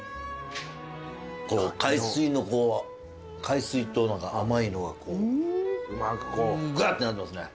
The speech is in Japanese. こう海水の海水と甘いのがぐわってなってますね。